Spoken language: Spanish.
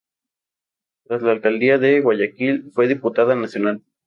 Tras la alcaldía de Guayaquil, fue diputada nacional.